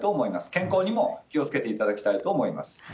健康にも気をつけていただきたいと思います。